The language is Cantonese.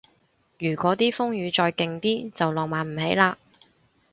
如嗰啲風雨再勁啲就浪漫唔起嘞